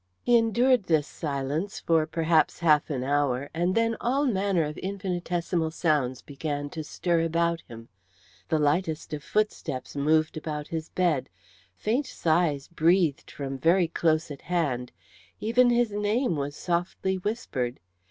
He endured this silence for perhaps half an hour, and then all manner of infinitesimal sounds began to stir about him. The lightest of footsteps moved about his bed, faint sighs breathed from very close at hand, even his name was softly whispered.